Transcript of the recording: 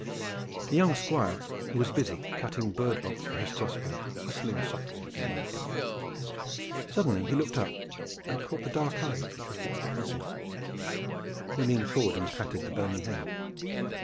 The young Squire was busy cutting bird bolts for his crossbow, and whistling softly as he worked. Suddenly he looked up and caught the dark eyes which were fixed upon him. He leaned forward and patted the bony hand.